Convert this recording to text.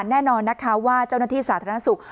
แน่นอนนะคะว่าเจ้าหน้าที่สาธารณสุข